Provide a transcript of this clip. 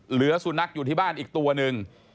เหลือสุนัขอยู่ที่บ้านอีกตัวหนึ่ง